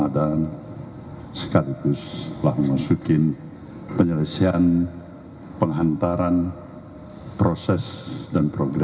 dari bulan suci ramadan